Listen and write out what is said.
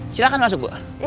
silahkan masuk bu